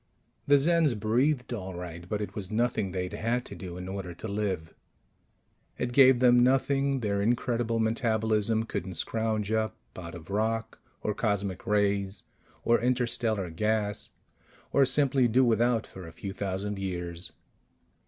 The Zens breathed, all right, but it was nothing they'd had to do in order to live. It gave them nothing their incredible metabolism couldn't scrounge up out of rock or cosmic rays or interstellar gas or simply do without for a few thousand years.